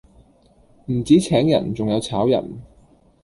唔止請人仲有炒人